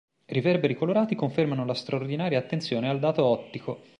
Riverberi colorati confermato la straordinaria attenzione al dato ottico.